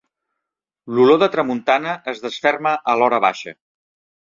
L'olor de tramuntana es desferma a l'horabaixa.